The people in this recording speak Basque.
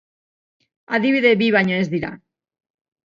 Adibide bi baino ez dira.